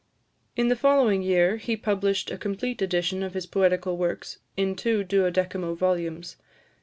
In the following year, he published a complete edition of his poetical works, in two duodecimo volumes.